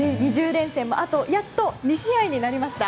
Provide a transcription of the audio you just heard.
２０連戦もあとやっと２試合になりました。